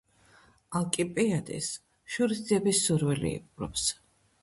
ალკიბიადეს შურისძიების სურვილი იპყრობს.